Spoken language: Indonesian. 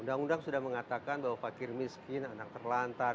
undang undang sudah mengatakan bahwa fakir miskin anak terlantar